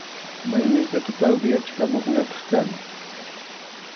Mayninpiqa tardeyachikamuqñataq kani.